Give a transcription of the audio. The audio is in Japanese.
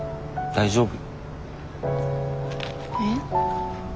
大丈夫。